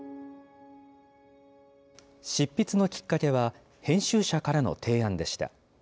執筆のきっかけは、編集者からの提案でした。